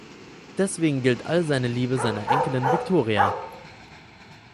Deswegen gilt all seine Liebe seiner Enkelin Viktoria.